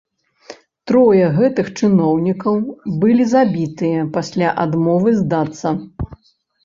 Трое гэтых чыноўнікаў былі забітыя пасля адмовы здацца.